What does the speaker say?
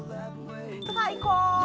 最高！